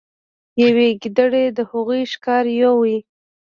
یوې ګیدړې د هغوی ښکار یووړ.